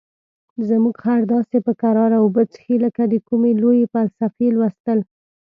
زموږ خر داسې په کراره اوبه څښي لکه د کومې لویې فلسفې لوستل.